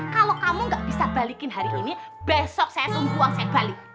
kalau kamu gak bisa balikin hari ini besok saya tunggu uang saya balik